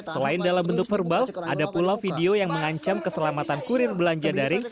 selain dalam bentuk verbal ada pula video yang mengancam keselamatan kurir belanja daring